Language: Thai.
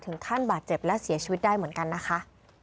ถึงขั้นบาดเจ็บและเสียชีวิตได้เหมือนกันนะคะ